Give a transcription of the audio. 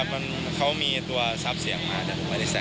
ไม่เพราะว่าเขามีตัวทรัพย์เสียงมาจะไม่ได้ใส่